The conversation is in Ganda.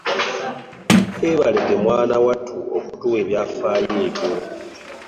Weebalege mwana wattu okutuwa ebyafaayo ebyo.